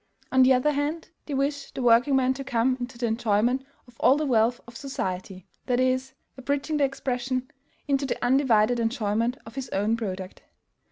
On the other hand, they wish the workingman to come into the enjoyment of all the wealth of society; that is, abridging the expression, into the undivided enjoyment of his own product.